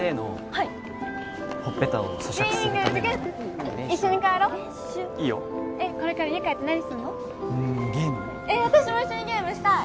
えっ私も一緒にゲームしたい